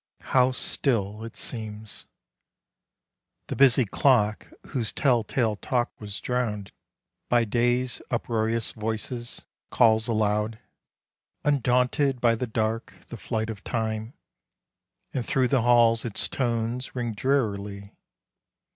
How still it seems! The busy clock, whose tell tale talk was drowned By Day's uproarious voices, calls aloud, Undaunted by the dark, the flight of time, And through the halls its tones ring drearily.